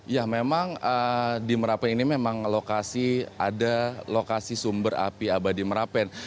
ya memang di merapen ini memang lokasi ada lokasi sumber api abadi merapen